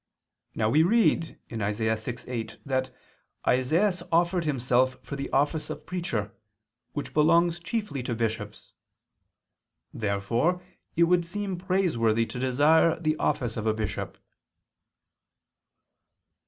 Now we read (Isa. 6:8) that Isaias offered himself for the office of preacher, which belongs chiefly to bishops. Therefore it would seem praiseworthy to desire the office of a bishop.